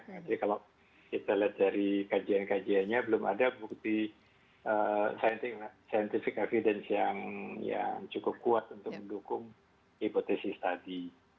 jadi kalau kita lihat dari kajian kajiannya belum ada bukti scientific evidence yang cukup kuat untuk mendukung hipotesis tadi